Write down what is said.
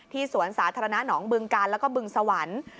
สวนสาธารณะหนองบึงกาลแล้วก็บึงสวรรค์